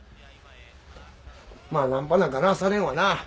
まあナンパなんかなされんわな。